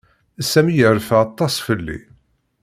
Sami yerfa aṭas fell-i.